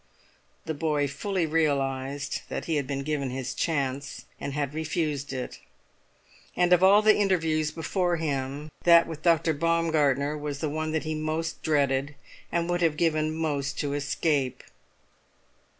The boy fully realised that he had been given his chance, and had refused it. And of all the interviews before him, that with Dr. Baumgartner was the one that he most dreaded, and would have given most to escape.